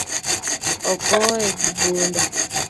Ogoye gi bunde